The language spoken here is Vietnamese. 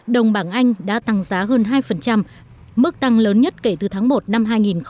đồng bảng anh đã tăng giá hơn hai mức tăng lớn nhất kể từ tháng một năm hai nghìn một mươi tám